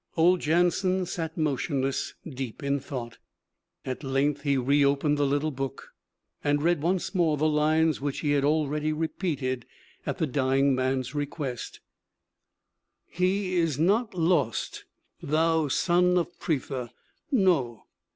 Old Jansen sat motionless, deep in thought. At length he reopened the little book, and read once more the lines which he had already repeated at the dying man's request: He is not lost, thou son of Prithâ! No!